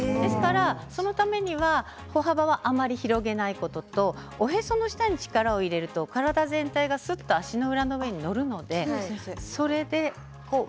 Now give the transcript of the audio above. そのためには歩幅をあまり広げないこととおへその下に力を入れると体全体がすっと足の上に乗ります。